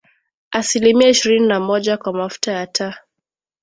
asilimia ishirini na moja kwa mafuta ya taa